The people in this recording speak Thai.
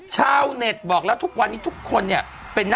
ชาวเน็ตบอกแล้วว่านี้ทุกคนน่ะ